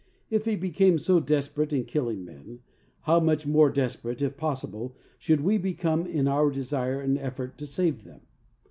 If he became so desperate in killing men, how much more desperate, if possible, should we become in our desire and effort to save them!